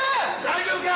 大丈夫か？